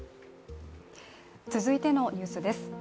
続いてのニュースです。